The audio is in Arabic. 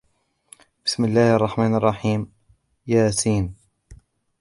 بسم الله الرحمن الرحيم يس